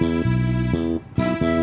nanti gue nunggu